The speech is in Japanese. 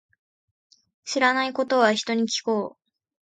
知らないことは、人に聞こう。